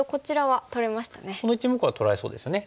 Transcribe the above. この１目は取られそうですよね。